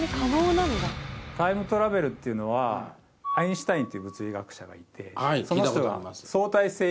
タイムトラベルっていうのはアインシュタインっていう物理学者がいてその人が。